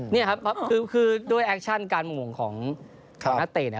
นี่แหละครับคือด้วยแอคชั่นการโดนโง่งของนะเต่เนี่ย